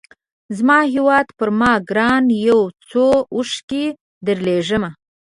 زما هیواده پر ما ګرانه یو څو اوښکي درلېږمه